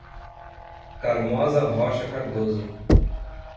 Carmoza Rocha Cardozo